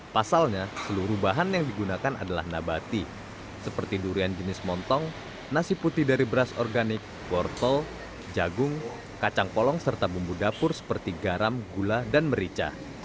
pasalnya seluruh bahan yang digunakan adalah nabati seperti durian jenis montong nasi putih dari beras organik wortel jagung kacang polong serta bumbu dapur seperti garam gula dan merica